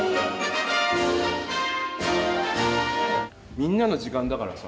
みんなの時間だからさ。